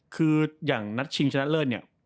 คืออย่างนัดชิงชนะเลิศเนี่ย